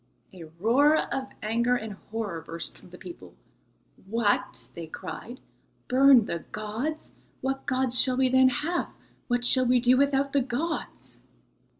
A roar of anger and horror burst from the people. "What!" they cried, "burn the gods! What gods shall we then have? What shall we do without the gods?"